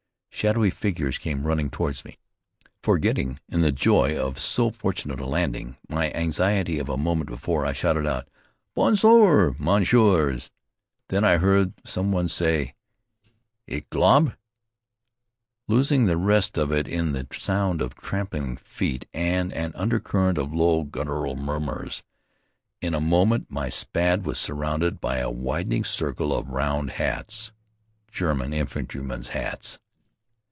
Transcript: Shadowy figures came running toward me. Forgetting, in the joy of so fortunate a landing, my anxiety of a moment before, I shouted out, "Bonsoir, messieurs!" Then I heard some one say, "Ich glaube " losing the rest of it in the sound of tramping feet and an undercurrent of low, guttural murmurs. In a moment my Spad was surrounded by a widening circle of round hats, German infantrymen's hats.